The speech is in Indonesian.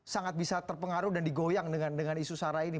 sangat bisa terpengaruh dan digoyang dengan isu sara ini